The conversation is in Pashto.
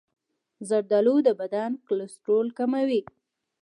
زردآلو د بدن کلسترول کموي.